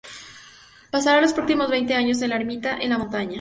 Pasará los próximos veinte años en una ermita en la montaña.